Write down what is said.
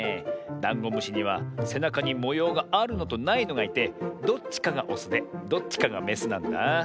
ダンゴムシにはせなかにもようがあるのとないのがいてどっちかがオスでどっちかがメスなんだ。